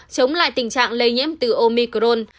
chống lại tình trạng lây nhiễm từ omicron